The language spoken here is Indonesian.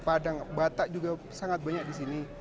padang batak juga sangat banyak di sini